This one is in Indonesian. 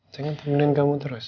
saya ingin temenin kamu terus